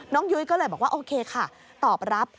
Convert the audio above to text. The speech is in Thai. ยุ้ยก็เลยบอกว่าโอเคค่ะตอบรับ